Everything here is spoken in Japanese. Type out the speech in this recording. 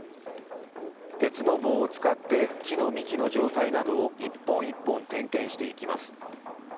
鉄の棒を使って木の幹の状態などを１本１本点検していきます。